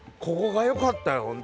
ここがよかったよ